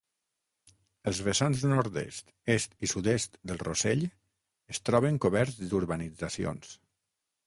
Els vessants nord-est, est i sud-est del Rossell es troben coberts d'urbanitzacions.